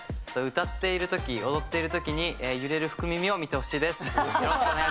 歌っているとき、踊っているときに揺れる福耳を見てほしいです。